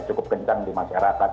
cukup kencang di masyarakat